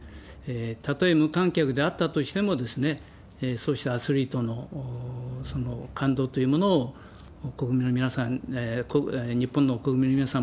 たとえ無観客であったとしても、そうしたアスリートのその感動というものを、国民の皆さん、日本の国民の皆さん